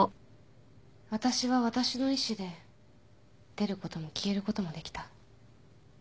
私は私の意思で出ることも消えることもできた。